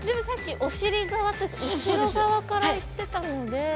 さっきお尻側からいってたので。